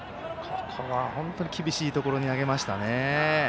ここは本当に厳しいところに投げましたね。